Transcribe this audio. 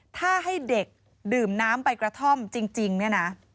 ถ้าให้เด็กดื่มน้ำใบกระท่อมจริงเนี่ยนะ